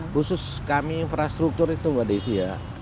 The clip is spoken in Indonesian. khusus kami infrastruktur itu mbak desi ya